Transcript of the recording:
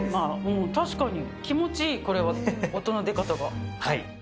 確かに、気持ちいい、これは、音の出方が。